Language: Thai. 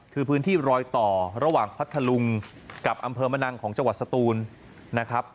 คือพื้นที่รอยต่อระหว่างพัทธลุงกับอำเภอมะนังของจังหวัดสตูนนะครับ